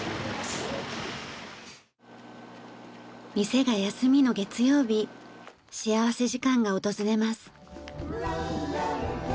店が休みの月曜日幸福時間が訪れます。